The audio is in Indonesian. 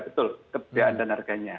betul kebedaan dan harganya